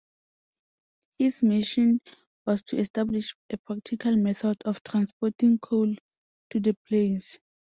His mission was to establish a practical method of transporting coal to the plains.